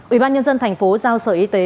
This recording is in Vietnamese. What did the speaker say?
ubnd tp giao sở y tế